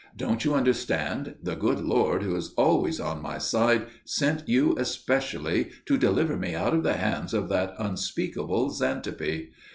"Don't you understand? The good Lord who is always on my side sent you especially to deliver me out of the hands of that unspeakable Xantippe.